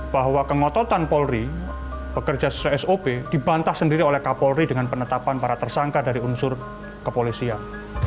bahwa kengototan polri bekerja sesuai sop dibantah sendiri oleh kapolri dengan penetapan para tersangka dari unsur kepolisian